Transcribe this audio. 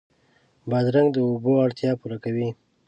بادرنګ د اوبو اړتیا پوره کوي.